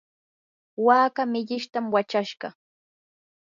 waaka millishtam wachashqa.